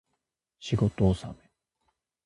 仕事納め